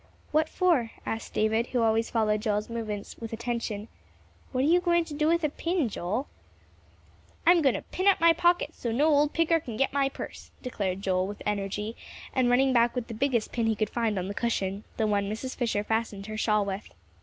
"What for?" asked David, who always followed Joel's movements with attention; "what are you going to do with a pin, Joel?" "I'm going to pin up my pocket so no old picker can get my purse," declared Joel, with energy, and running back with the biggest pin he could find on the cushion, the one Mrs. Fisher fastened her shawl with.